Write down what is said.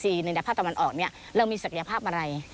อีอีซีในระดับพระตะวันออกนี้เรามีศักยภาพอะไร